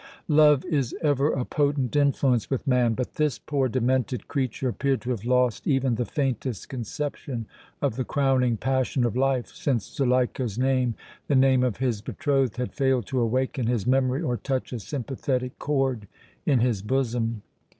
Love is ever a potent influence with man but this poor demented creature appeared to have lost even the faintest conception of the crowning passion of life, since Zuleika's name, the name of his betrothed, had failed to awaken his memory or touch a sympathetic chord in his bosom.